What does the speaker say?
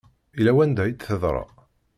Yella wanda i d-teḍra.